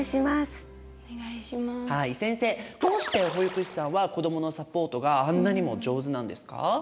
先生どうして保育士さんは子どものサポートがあんなにも上手なんですか？